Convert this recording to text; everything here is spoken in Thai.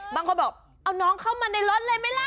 บางคนบอกเอาน้องเข้ามาในรถเลยไหมล่ะ